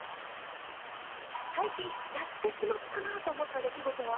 最近、やってしまったなと思った出来事は？